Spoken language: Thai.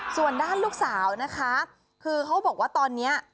ส่วนด้านลูกสาวนะคะคือเขาบอกว่าตอนนี้